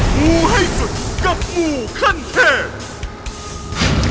หมู่ให้สุดกับหมู่ขั้นแทน